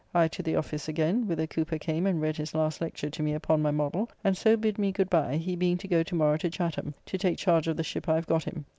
I to the office again, whither Cooper came and read his last lecture to me upon my modell, and so bid me good bye, he being to go to morrow to Chatham to take charge of the ship I have got him.